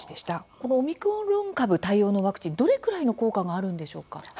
このオミクロン株対応のワクチン、どれくらいの効果があるんでしょうか。